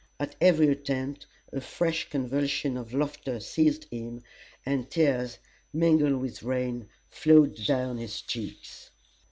At every attempt a fresh convulsion of laughter seized him, and tears, mingled with rain, flowed down his cheeks.